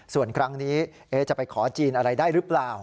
ส่วนครั้งนี้จะไปขอจีนอะไรได้หรือเปล่า